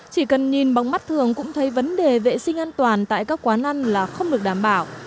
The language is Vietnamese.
chỉ cần nhìn bóng mắt thường cũng thấy vấn đề vệ sinh an toàn tại các quán ăn là không được đảm bảo